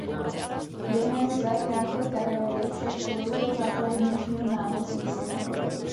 Během své krátké kariéry však položil základy dnešního námořnictva.